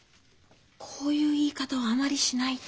こういう言い方はあまりしないと。